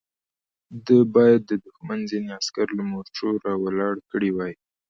ده بايد د دښمن ځينې عسکر له مورچو را ولاړ کړي وای.